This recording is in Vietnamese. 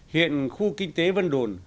hiện khu kinh tế vân đồn